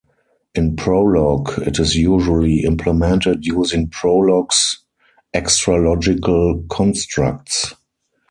In Prolog, it is usually implemented using Prolog's extralogical constructs.